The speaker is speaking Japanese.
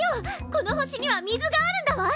この星には水があるんだわ！